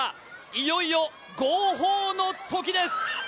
いよいよ号砲のときです。